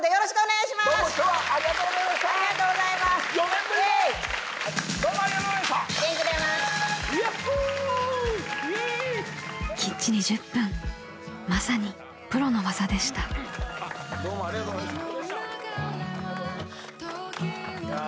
いやぁどうもどうもありがとうございました。